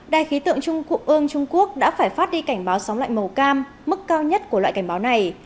đài khí tượng trung quốc đã phải phát đi cảnh báo sóng loại màu cam mức cao nhất của loại cảnh báo này